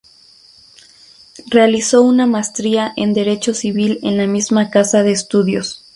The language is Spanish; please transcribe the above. Realizó una maestría en Derecho civil en la misma casa de estudios.